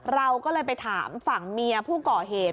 เราก็เลยไปถามฝั่งเมียผู้ก่อเหตุ